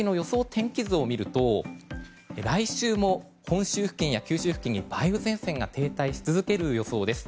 天気図を見ると来週も本州付近や九州付近に梅雨前線が停滞し続ける予想です。